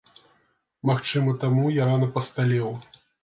Магчыма таму, я рана пасталеў.